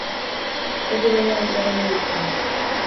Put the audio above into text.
Ez du gehiago itxaron izan nahi.